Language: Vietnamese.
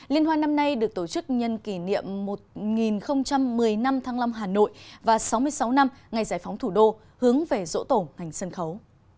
liên hoan năm nay được tổ chức nhân kỷ niệm một nghìn một mươi năm thăng long hà nội và sáu mươi sáu năm ngày giải phóng thủ đô hướng về dỗ tổ ngành sân khấu